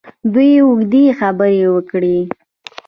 دوی اوږدې خبرې وکړې.